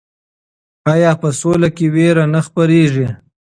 آیا په سوله کې ویره نه خپریږي؟